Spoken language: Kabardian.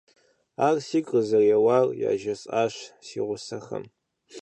Ар сигу къызэреуэр яжесӀащ си гъусэхэм.